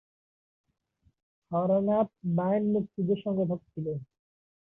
হরনাথ বাইন মুক্তিযুদ্ধের সংগঠক ছিলেন।